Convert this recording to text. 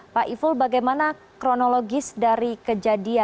pak iful bagaimana kronologis dari kejadian